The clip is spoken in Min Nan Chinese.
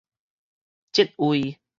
職位